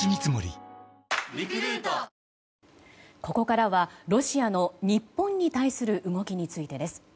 ここからはロシアの日本に対する動きについてです。